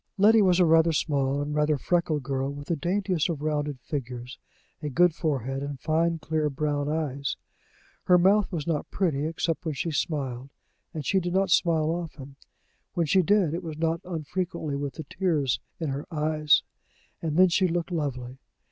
Letty was a rather small and rather freckled girl, with the daintiest of rounded figures, a good forehead, and fine clear brown eyes. Her mouth was not pretty, except when she smiled and she did not smile often. When she did, it was not unfrequently with the tears in her eyes, and then she looked lovely.